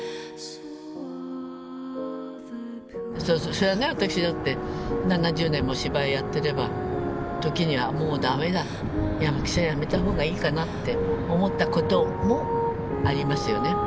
そりゃね私だって７０年も芝居やってれば時にはもうダメだ役者やめたほうがいいかなって思ったこともありますよね。